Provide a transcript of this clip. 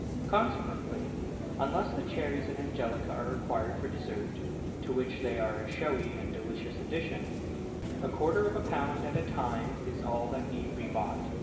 Consequently, unless the cherries and angelica are required for dessert (to which they are a showy and delicious addition), a quarter of a pound at a time is all that need be bought.